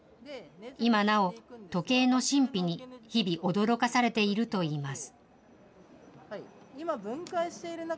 今なお、時計の神秘に日々驚かされているといいます。